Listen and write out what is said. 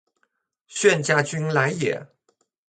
炫家军来也！